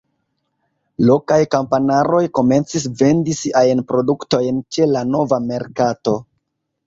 Lokaj kamparanoj komencis vendi siajn produktojn ĉe la nova merkato.